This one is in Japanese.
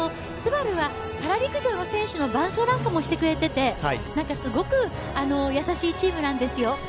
ＳＵＢＡＲＵはパラ陸上の選手の伴走なんかもしてくれていてすごく優しいチームなんですよ。